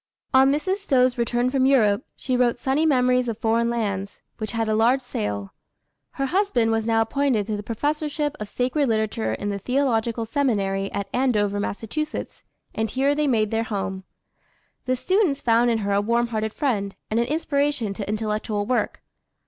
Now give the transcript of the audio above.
On Mrs. Stowe's return from Europe, she wrote Sunny Memories of Foreign Lands, which had a large sale. Her husband was now appointed to the professorship of sacred literature in the Theological Seminary at Andover, Mass., and here they made their home. The students found in her a warm hearted friend, and an inspiration to intellectual work.